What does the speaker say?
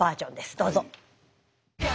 どうぞ。